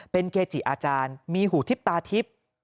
เป็นเกจิอาจารย์มีหูทิบตาทิบ